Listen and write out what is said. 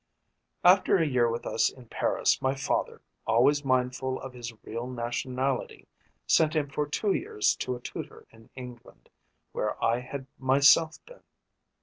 "After a year with us in Paris my father, always mindful of his real nationality, sent him for two years to a tutor in England, where I had myself been.